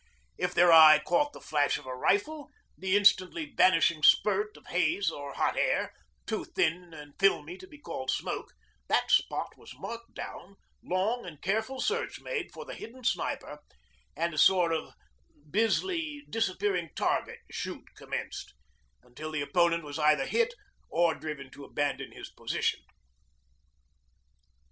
If their eye caught the flash of a rifle, the instantly vanishing spurt of haze or hot air too thin and filmy to be called smoke that spot was marked down, long and careful search made for the hidden sniper, and a sort of Bisley 'disappearing target' shoot commenced, until the opponent was either hit or driven to abandon his position.